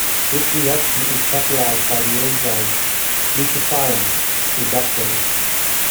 This reaction is catalyzed by the enzyme glutathione reductase.